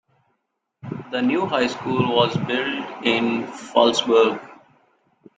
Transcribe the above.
The new High School was built in Fallsburg.